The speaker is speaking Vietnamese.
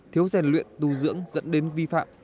thiếu rèn luyện tu dưỡng dẫn đến vi phạm